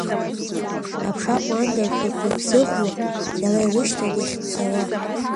Аԥша ҟәанда рҿагәыбзыӷуа, дара ирышьҭан иахьцауа.